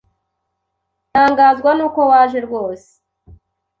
Ntangazwa nuko waje rwose.